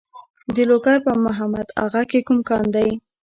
د لوګر په محمد اغه کې کوم کان دی؟